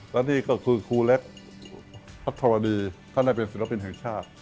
และนี่ก็คือครูเล็กพัทรดีท่านได้เป็นศิลปินแห่งชาติ